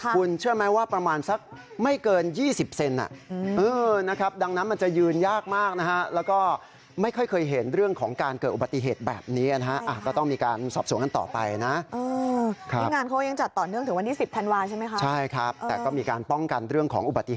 คุณเชื่อไหมว่าประมาณสักไม่เกิน๒๐เซนติเซน